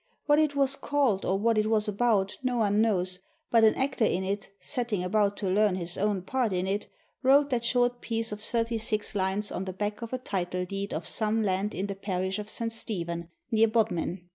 What it was called or what it was about no one knows, but an actor in it, setting about to learn his own part in it, wrote that short piece of thirty six lines on the back of a title deed of some land in the parish of St. Stephen, near Bodmin.